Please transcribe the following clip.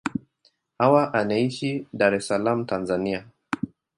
Hawa anaishi Dar es Salaam, Tanzania.